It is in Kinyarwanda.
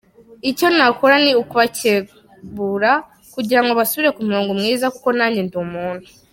Icyo nakora ni ukubakebura kugirango basubire ku murongo mwiza kuko nanjye ndi umuntu.